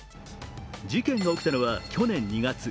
事件が起きたのは去年２月。